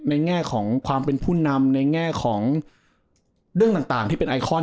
แง่ของความเป็นผู้นำในแง่ของเรื่องต่างที่เป็นไอคอน